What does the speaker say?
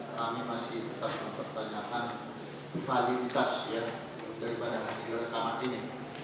kami masih tetap mempertanyakan validitas daripada hasil rekaman ini